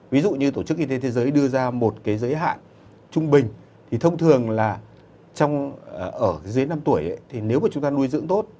ví dụ như tổ chức y tế thế giới đưa ra một cái giới hạn trung bình thì thông thường là ở dưới năm tuổi thì nếu mà chúng ta nuôi dưỡng tốt